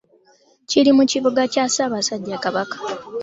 Kiri mu kibuga kya Ssaabasajja Kabaka Masaka